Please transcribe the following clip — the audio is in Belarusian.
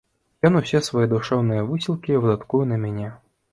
Ён усе свае душэўныя высілкі выдаткуе на мяне.